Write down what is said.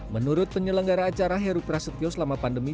menurut penyelenggara acara heru prasetyo selama pandemi